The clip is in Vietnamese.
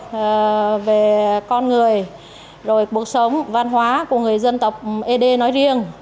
rồi về con người rồi cuộc sống văn hóa của người dân tộc ế đê nói riêng